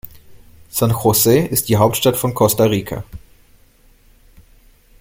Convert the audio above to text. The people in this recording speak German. San José ist die Hauptstadt von Costa Rica.